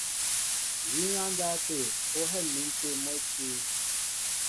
Yíŋ á ndáw tê, ó hɛ̂m̀in tê mwɛ̌ti.